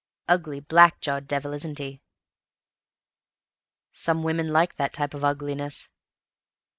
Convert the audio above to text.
Ugly, black jawed devil, isn't he?" "Some women like that type of ugliness."